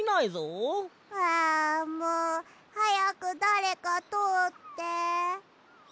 あもうはやくだれかとおって。